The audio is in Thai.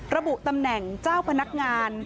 ระบุตำแหน่งเจ้าพนักงาน